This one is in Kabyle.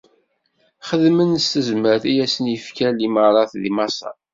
Xedmen s tezmert i asen-ifka limarat di Maṣer.